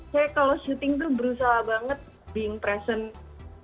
saya kalau syuting tuh berusaha banget being present